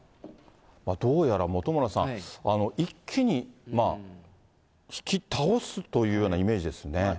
どうやら本村さん、一気に引き倒すというようなイメージですね。